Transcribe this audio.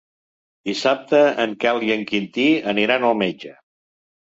Dissabte en Quel i en Quintí aniran al metge.